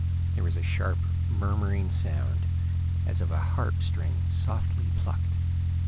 There was a sharp, murmuring sound, as of a harp string softly plucked.